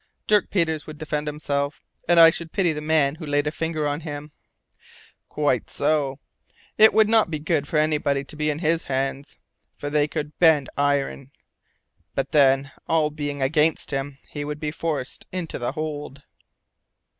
"Dirk Peters would defend himself, and I should pity the man who laid a finger on him." "Quite so. It would not be good for anybody to be in his hands, for they could bend iron! But then, all being against him, he would be forced into the hold."